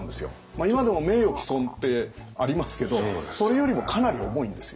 今でも名誉毀損ってありますけどそれよりもかなり重いんですよ。